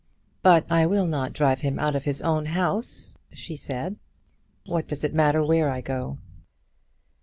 "But I will not drive him out of his own house," she said. "What does it matter where I go?"